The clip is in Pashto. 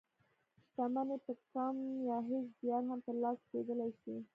شتمني په کم يا هېڅ زيار هم تر لاسه کېدلای شي.